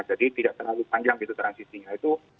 jadi tidak terlalu panjang transisinya itu